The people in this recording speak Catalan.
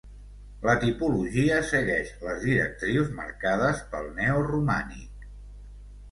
La tipologia segueix les directrius marcades pel neoromànic.